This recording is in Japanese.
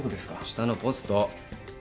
下のポスト。